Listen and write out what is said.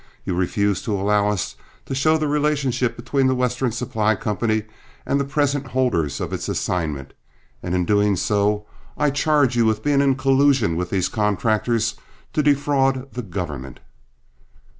You refuse to allow us to show the relationship between The Western Supply Company and the present holders of its assignment, and in doing so I charge you with being in collusion with these contractors to defraud the government!"